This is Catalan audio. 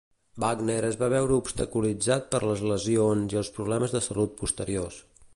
Wagner es va veure obstaculitzat per les lesions i els problemes de salut posteriors.